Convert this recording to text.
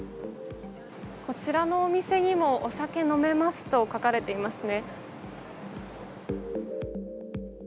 こちらのお店にもお酒飲めますと書かれていますね。